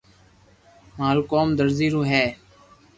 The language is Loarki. مارو ڪوم درزي رو ھي